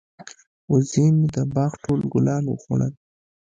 وزې مې د باغ ټول ګلان وخوړل.